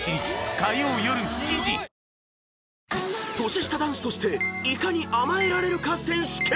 ［年下男子としていかに甘えられるか選手権］